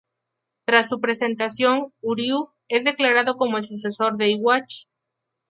Tras su presentación, Uryū es declarado como el sucesor de Yhwach.